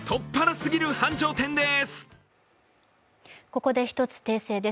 ここで１つ訂正です。